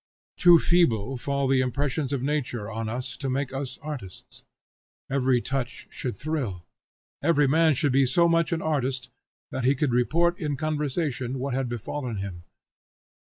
Too feeble fall the impressions of nature on us to make us artists. Every touch should thrill. Every man should be so much an artist that he could report in conversation what had befallen him.